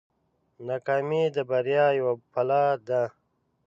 ناکامي د بریا یوه پله ده.